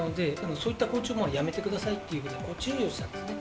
そういったご注文はやめてくださいというふうに注意をしたんですね。